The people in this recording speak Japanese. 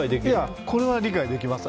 これは理解できます。